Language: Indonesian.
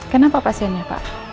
kenapa pasiennya pak